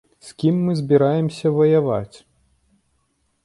З кім мы збіраемся ваяваць?